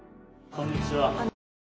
こんにちは。